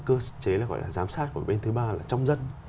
cơ chế gọi là giám sát của bên thứ ba là trong dân